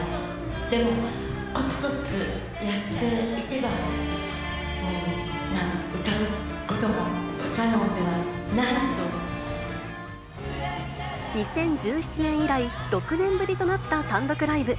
でも、こつこつやっていけば、２０１７年以来、６年ぶりとなった単独ライブ。